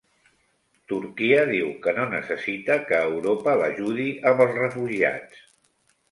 Turquia diu que no necessita que Europa l'ajudi amb els refugiats